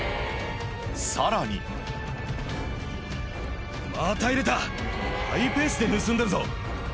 さらにまた入れたハイペースで盗んでるぞ。